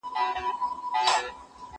یو گوزار يې ورته ورکړ ناگهانه